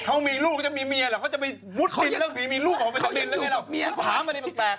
ขณะตอนอยู่ในสารนั้นไม่ได้พูดคุยกับครูปรีชาเลย